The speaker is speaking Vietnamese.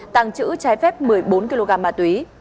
tàng trữ trái phép một mươi bốn kg ma túy